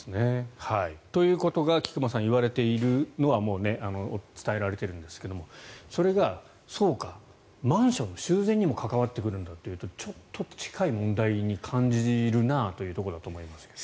ということが菊間さん、言われているのはもう伝えられてるんですがそれがそうか、マンションの修繕にも関わってくるんだというとちょっと近い問題に感じるなというところだと思いますけど。